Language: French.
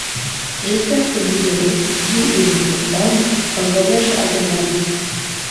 J’espère que vous aurez, vous et votre femme, un voyage agréable.